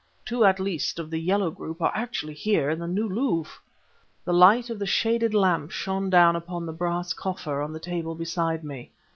Two, at least, of the Yellow group are actually here in the New Louvre!" The light of the shaded lamp shone down upon the brass coffer on the table beside me.